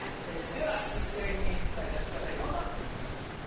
では一斉に答え出してくださいどうぞ！